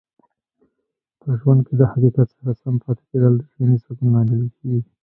په ژوند کې د حقیقت سره سم پاتې کیدل د ذهنې سکون لامل کیږي.